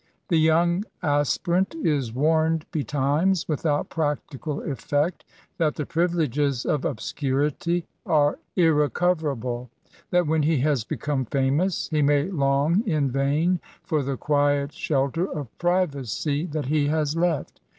The young aspirant is warned betimes, without practical effect, that the privileges of obscurity are irrecoverable : that, when he has become famous, he may long in vain for the quiet shelter of privacy that he has left.